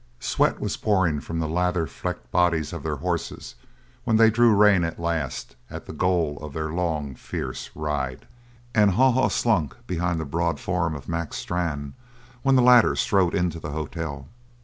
Sweat was pouring from the lather flecked bodies of their horses when they drew rein, at last, at the goal of their long, fierce ride; and Haw Haw slunk behind the broad form of Mac Strann when the latter strode into the hotel.